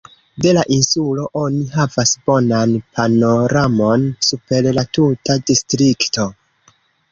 De la insulo oni havas bonan panoramon super la tuta distrikto.